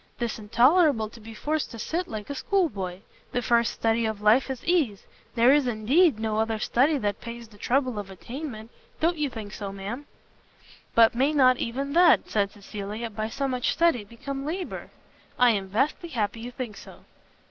'Tis intolerable to be forced to sit like a school boy. The first study of life is ease. There is, indeed, no other study that pays the trouble of attainment. Don't you think so, ma'am?" "But may not even that," said Cecilia, "by so much study, become labour?" "I am vastly happy you think so."